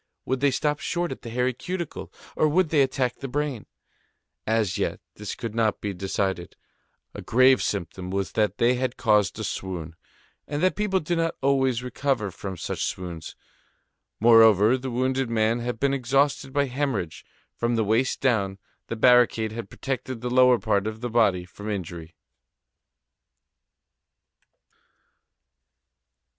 Would they stop short at the hairy cuticle, or would they attack the brain? As yet, this could not be decided. A grave symptom was that they had caused a swoon, and that people do not always recover from such swoons. Moreover, the wounded man had been exhausted by hemorrhage. From the waist down, the barricade had protected the lower part of the body from injury.